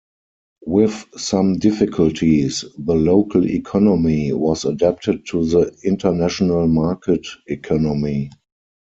With some difficulties, the local economy was adapted to the international market economy.